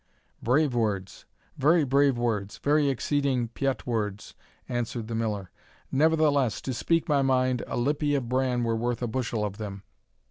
"Brave words very brave words very exceeding pyet words," answered the Miller; "nevertheless, to speak my mind, a lippy of bran were worth a bushel of them."